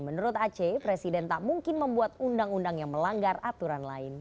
menurut aceh presiden tak mungkin membuat undang undang yang melanggar aturan lain